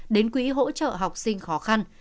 đến quỹ hỗ trợ học sinh khó khăn